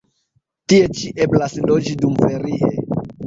Tie ĉi eblas loĝi dumferie.